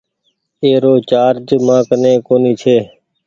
ايرو چآرج مآ ڪني ڪونيٚ ڇي۔